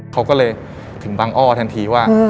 เขาก็เลยถึงบังอ้อทันทีว่า